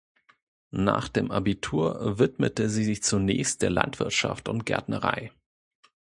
Nach dem Abitur widmete sie sich zunächst der Landwirtschaft und Gärtnerei.